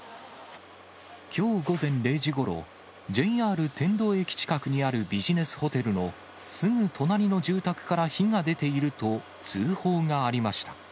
きょう午前０時ごろ、ＪＲ天童駅近くにあるビジネスホテルのすぐ隣の住宅から火が出ていると、通報がありました。